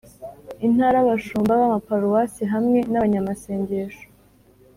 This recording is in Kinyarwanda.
Intara Abashumba b Amaparuwasi hamwe n abanyamasengesho